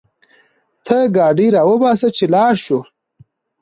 ته ګاډی راوباسه چې لاړ شو